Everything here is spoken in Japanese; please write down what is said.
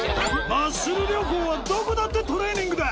マッスル旅行はどこだってトレーニングだ